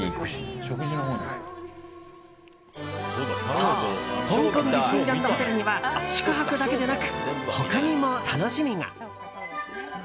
そう、香港ディズニーランド・ホテルには宿泊だけでなく他にも楽しみが。